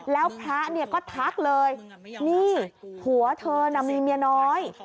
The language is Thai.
แล้วพระเนี่ยก็ทักเลยนี่ผัวเธอน่ะมีเมียน้อย